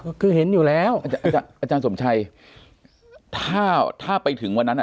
ก็คือเห็นอยู่แล้วอาจารย์อาจารย์สมชัยถ้าถ้าไปถึงวันนั้นอ่ะ